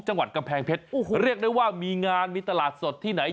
จังหวัดกำแพงเพชรโอ้โหเรียกได้ว่ามีงานมีตลาดสดที่ไหน